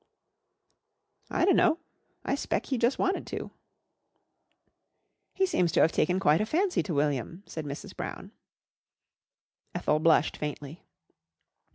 "I dunno. I s'pect he jus' wanted to." "He seems to have taken quite a fancy to William," said Mrs. Brown. Ethel blushed faintly.